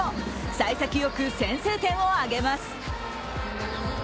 さい先よく先制点を挙げます。